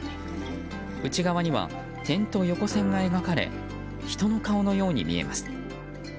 内側には、点と横線が描かれ人の顔のように見えます。